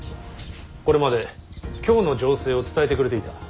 これまで京の情勢を伝えてくれていた。